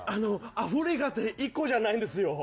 アフリカって１個じゃないんですよ。